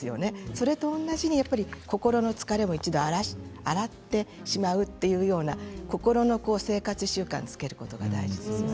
それと同じように心の疲れも一度洗ってしまうような心の生活習慣をつけることが大事です。